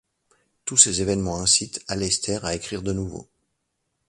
Tous ces événements incitent Aleister à écrire de nouveau.